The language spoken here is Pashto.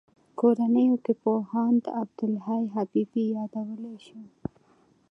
کورنیو کې پوهاند عبدالحی حبیبي یادولای شو.